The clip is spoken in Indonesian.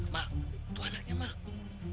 mak itu anaknya mak